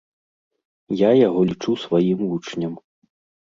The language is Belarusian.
Я яго лічу сваім вучнем.